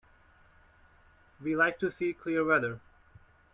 We like to see clear weather.